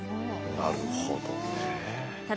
なるほどね。はあ。